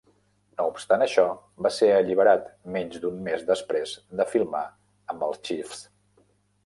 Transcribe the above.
No obstant això, va ser alliberat menys d'un mes després de firmar amb els Chiefs.